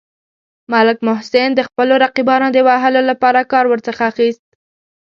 ملک محسن د خپلو رقیبانو د وهلو لپاره کار ورڅخه اخیست.